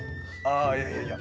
あいやいやいや。